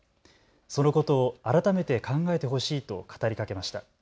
そのことを改めて考えてほしいと語りかけました。